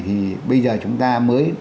thì bây giờ chúng ta mới